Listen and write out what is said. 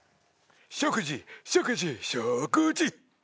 食事食事食事！